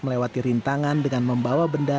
melewati rintangan dengan membawa benda